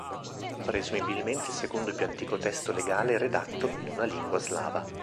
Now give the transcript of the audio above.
Presumibilmente il secondo più antico testo legale redatto in una lingua slava.